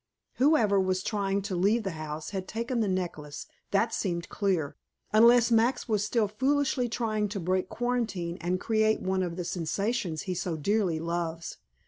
Whoever was trying to leave the house had taken the necklace, that seemed clear, unless Max was still foolishly trying to break quarantine and create one of the sensations he so dearly loves.